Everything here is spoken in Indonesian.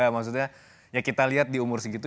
maksudnya ya kita lihat di umur segitu